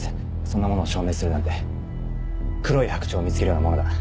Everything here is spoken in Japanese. そんなものを証明するなんて黒い白鳥を見つけるようなものだ。